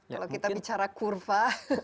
kalau kita bicara kurva